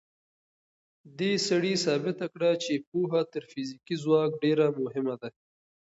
دې سړي ثابته کړه چې پوهه تر فزیکي ځواک ډېره مهمه ده.